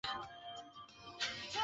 县治卡索波利斯。